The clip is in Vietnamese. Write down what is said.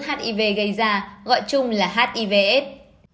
virus hiv gây ra gọi chung là hiv aids